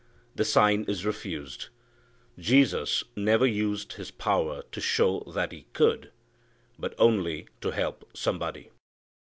The sign is refused. Jesus never used His power to show that He could, but only to help somebody.